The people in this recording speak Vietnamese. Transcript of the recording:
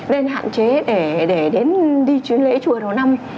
nên hạn chế để đến đi chuyến lễ chùa đầu năm